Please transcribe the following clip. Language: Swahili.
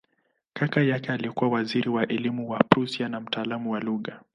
Kaka yake alikuwa waziri wa elimu wa Prussia na mtaalamu wa lugha.